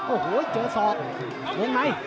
โอ้โหเจอสอกลงไหน